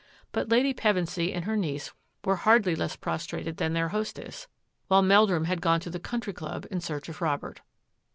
But Lady Pevensy and her niece were hardly less prostrated than their hostess, while Meldrum had gone to the Country Club in search of Robert.